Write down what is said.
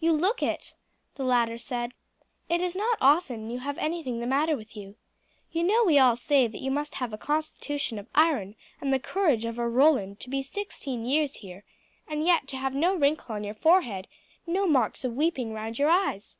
"You look it," the latter said. "It is not often that you have anything the matter with you. You know we all say that you must have a constitution of iron and the courage of a Roland to be sixteen years here and yet to have no wrinkle on your forehead, no marks of weeping round your eyes."